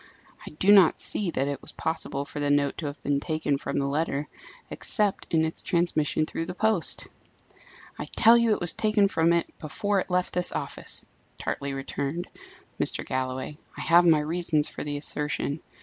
"I do not see that it was possible for the note to have been taken from the letter, except in its transmission through the post." "I tell you it was taken from it before it left this office," tartly returned Mr. Galloway. "I have my reasons for the assertion.